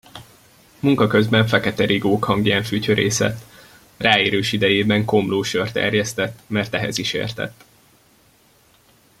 Munka közben feketerigók hangján fütyörészett; ráérős idejében komlósört erjesztett, mert ehhez is értett.